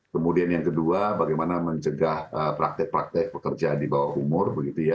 kemudian yang kedua bagaimana mencegah praktek praktek pekerja di bawah umur begitu ya